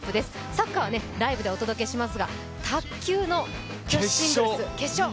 サッカーはライブでお届けしますが、卓球の女子シングルス決勝。